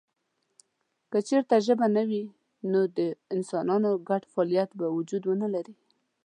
که چېرته ژبه نه وي نو د انسانانو ګډ فعالیت به وجود ونه لري.